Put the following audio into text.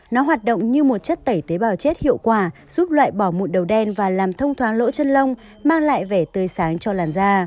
nó hoạt động như một chất tẩy tế bào chết hiệu quả giúp loại bỏ mụn đầu đen và làm thông thoáng lỗ chân lông mang lại vẻ tươi sáng cho làn da